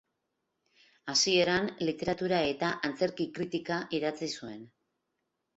Hasieran literatura eta antzerki-kritika idatzi zuen.